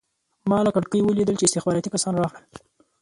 ما له کړکۍ ولیدل چې استخباراتي کسان راغلل